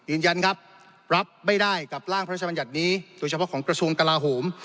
ยืนยันครับรับไม่ได้กับร่างพระราชบัญญัตินี้โดยเฉพาะของกระทรวงกลาโหม